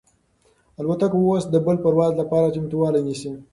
الوتکه اوس د بل پرواز لپاره چمتووالی نیسي.